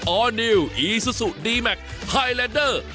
อร์นิวอีซูซูดีแมคไฮแลนเดอร์